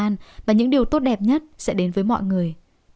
an và những điều tốt đẹp nhất sẽ đến với mọi người